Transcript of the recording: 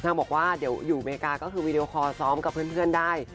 บอกว่าเดี๋ยวอยู่อเมริกาก็คือวีดีโอคอร์ซ้อมกับเพื่อนได้